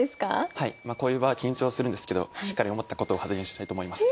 まあこういう場は緊張するんですけどしっかり思ったことを発言したいと思います。